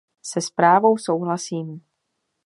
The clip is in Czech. Se zprávou souhlasím.